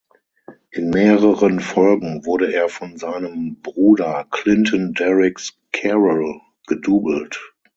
In mehreren Folgen wurde er von seinem Bruder Clinton Derricks-Carroll gedoubelt.